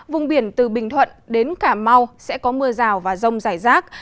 vùng biển từ bình thuận đến cả mau sẽ có mưa rào và rông giải rác